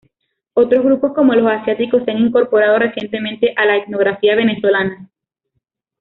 Otros grupos, como los asiáticos, se han incorporado recientemente a la etnografía venezolana.